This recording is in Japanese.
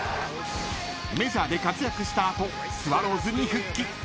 ［メジャーで活躍した後スワローズに復帰］